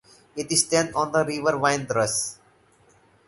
It stands on the river Windrush.